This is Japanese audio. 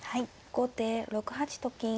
後手６八と金。